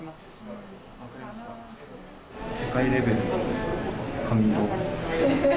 世界レベルの髪色。